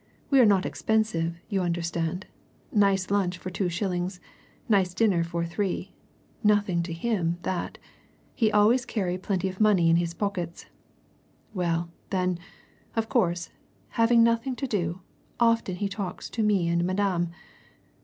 We are not expensive, you understand nice lunch for two shillings, nice dinner for three nothing to him, that he always carry plenty of money in his pockets. Well, then, of course, having nothing to do, often he talks to me and Madame.